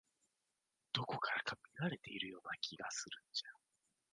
どこかから見られているような気がする。